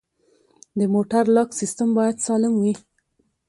د موټر لاک سیستم باید سالم وي.